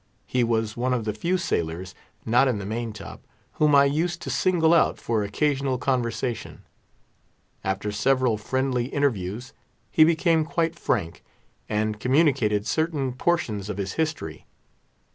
He was one of the few sailors—not in the main top—whom I used to single out for occasional conversation. After several friendly interviews he became quite frank, and communicated certain portions of his history.